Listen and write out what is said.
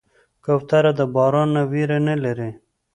کوتره د باران نه ویره نه لري.